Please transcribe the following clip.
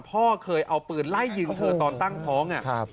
พ่อเคยเอาปืนไล่ยิงเธอตอนตั้งท้อง